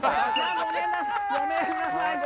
ごめんなさい。